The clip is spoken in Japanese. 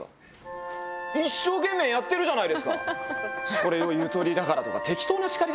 それを「ゆとりだから」とか。